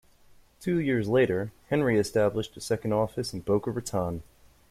Two years later, Henry established a second office in Boca Raton.